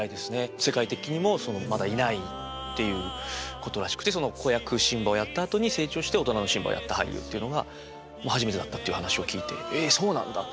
世界的にもまだいないっていうことらしくてその子役シンバをやったあとに成長して大人のシンバやった俳優っていうのは初めてだったっていう話を聞いて「ええっそうなんだ」って。